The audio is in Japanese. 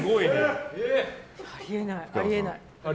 あり得ない。